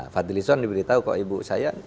fadli zon diberitahu ke ibu saya